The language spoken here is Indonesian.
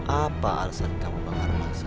apa alasan kamu bakal merasa